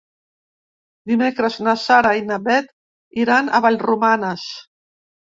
Dimecres na Sara i na Bet iran a Vallromanes.